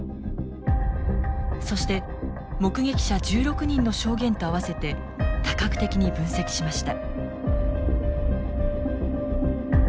そして目撃者１６人の証言と合わせて多角的に分析しました。